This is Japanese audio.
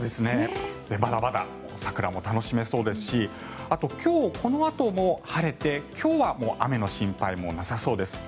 まだまだ桜も楽しめそうですしあと、今日このあとも晴れて今日は雨の心配もなさそうです。